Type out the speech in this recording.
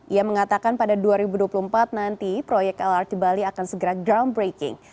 ia mengatakan pada dua ribu dua puluh empat nanti proyek lrt bali akan segera groundbreaking